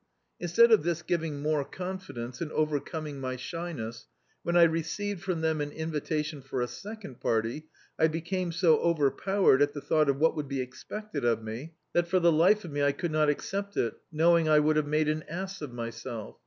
Instead of this giving more confidence and overcoming my shyness, when I received from them an invitation for a second party I became so over powered at the thought of what would be expected of me, that for the life of me I could not accept it, knowing I would have made an ass of myself.